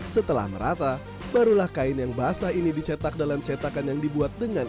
setelah merata barulah kain yang basah ini dicetak dalam cetakan yang dibuat dengan